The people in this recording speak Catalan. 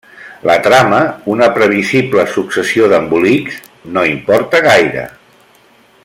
La trama, una previsible successió d'embolics, no importa gaire.